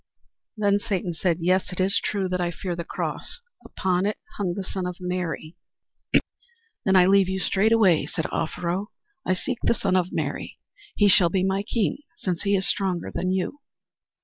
Then Satan said, "Yes, it is true that I fear the cross. Upon it hung the Son of Mary." "Then I leave you straightway," said Offero. "I seek the Son of Mary. He shall be my king, since he is stronger than you."